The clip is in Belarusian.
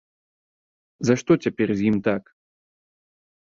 За што цяпер з ім так?